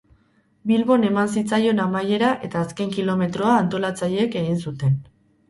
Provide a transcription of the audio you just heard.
Bilbon eman zitzaion amaiera eta azken kilometroa antolatzaileek egin zuten.